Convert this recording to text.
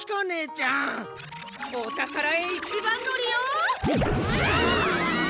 おたからへいちばんのりよ！